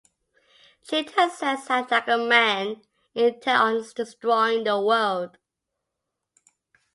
Chithan sets out like a man intent on destroying the world.